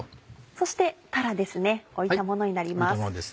そしてたらですね置いたものになります。